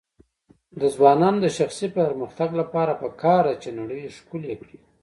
د ځوانانو د شخصي پرمختګ لپاره پکار ده چې نړۍ ښکلی کړي.